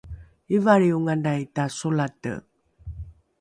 ivalrionganai tasolate